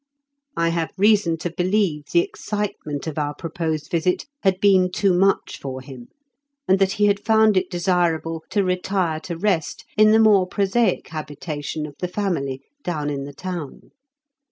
I have reason to believe the excitement of our proposed visit had been too much for him, and that he had found it desirable to retire to rest in the more prosaic habitation of the family down in the town.